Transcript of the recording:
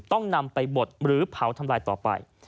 ต้องนำไปบดหรือเผาทำลายต่อไป